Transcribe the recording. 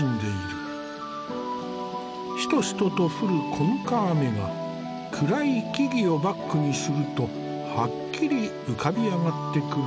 しとしとと降る小ぬか雨が暗い木々をバックにするとはっきり浮かび上がってくるね。